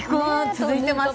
続いています。